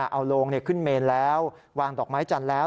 เอาโลงขึ้นเมนแล้ววางดอกไม้จันทร์แล้ว